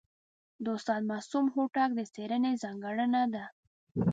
د استاد معصوم هوتک د څېړني ځانګړنه ده.